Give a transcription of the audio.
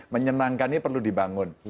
menyenangkan ini perlu dibangun